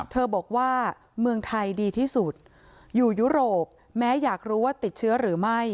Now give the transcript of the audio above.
บอกว่าเมืองไทยดีที่สุดอยู่ยุโรปแม้อยากรู้ว่าติดเชื้อหรือไม่